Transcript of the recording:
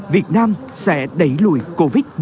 việt nam sẽ đẩy lùi covid một mươi chín